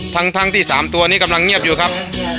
ทั้งที่๓ตัวนี้กำลังเงียบอยู่ครับ